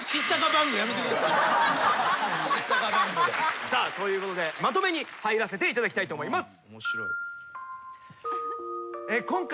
やめてください。ということでまとめに入らせていただきたいと思います。